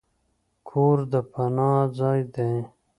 کور د پناه ځای دی.